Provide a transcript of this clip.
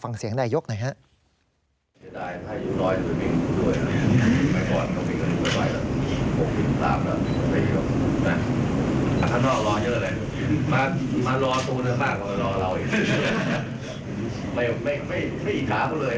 ฟังเสียงแน่ยกหน่อยครับ